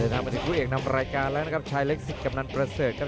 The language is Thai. สวัสดีคุณผู้เอกนำรายการแล้วนะครับชายเล็กสิทธิ์กำนันประสัตว์